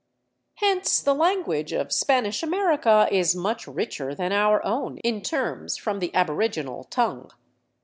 Hence the language of Spanish America is much richer than our own in terms from the aboriginal tongue.